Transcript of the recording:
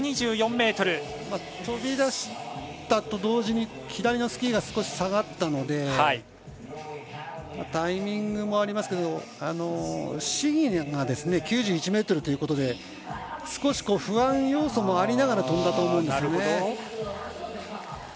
飛び出したと同時に左のスキーが少し下がったのでタイミングもありますけど試技が９１ｍということで少し不安要素もありながら飛んだと思うんですね。